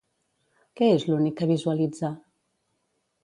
Què és l'únic que visualitza?